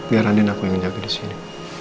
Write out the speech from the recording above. biar andin aku yang jaga disini